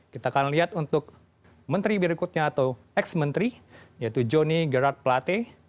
kita akan lihat untuk menteri berikutnya atau ex menteri yaitu johnny gerard plate